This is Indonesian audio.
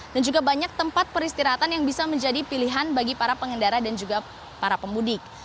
dan juga banyak tempat peristirahatan yang bisa menjadi pilihan bagi para pengendara dan juga para pemudik